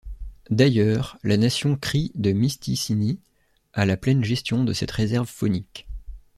D'ailleurs, la Nation crie de Mistissini a la pleine gestion de cette réserve faunique.